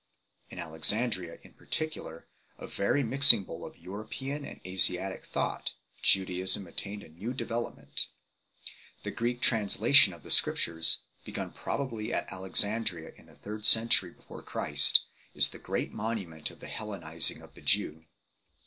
In Alexandria in particular, a very mixing bowl of European and Asiatic thought, Judaism attained a new development. The Greek trans lation of the Scriptures, begun probably at Alexandria in the third century before Christ, is the great monument of the Hellenizing of the Jew.